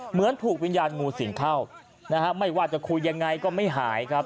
เหมือนถูกวิญญาณงูสิงเข้านะฮะไม่ว่าจะคุยยังไงก็ไม่หายครับ